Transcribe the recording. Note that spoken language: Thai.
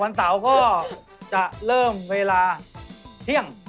เสาร์ก็จะเริ่มเวลาเที่ยง